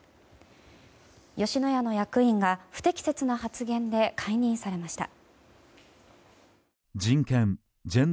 吉野家の役員が不適切な発言で解任されました。